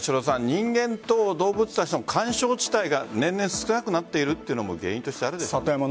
人間と動物たちの緩衝地帯が年々少なくなっているというのも原因としてあるんでしょうね。